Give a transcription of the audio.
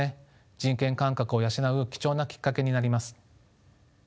人権感覚を養う貴重なきっかけになります。